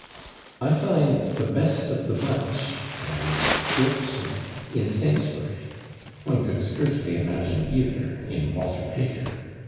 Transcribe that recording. I [Pg308] find /the best of the bunch/ and /joke smith/ in Saintsbury; one could scarcely imagine either in Walter Pater.